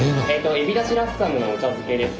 エビ出汁ラッサムのお茶漬けです。